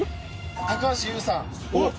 高橋優さん。